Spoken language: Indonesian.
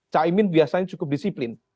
cak imin biasanya cukup disiplin